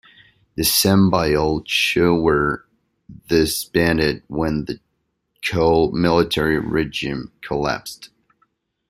The Sambyeolcho were disbanded when the Choe military regime collapsed.